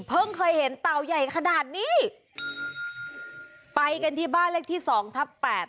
เคยเห็นเต่าใหญ่ขนาดนี้ไปกันที่บ้านเลขที่สองทับแปด